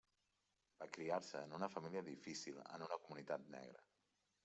Va criar-se en una família difícil en una comunitat negra.